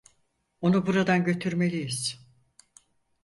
Onu buradan götürmeliyiz.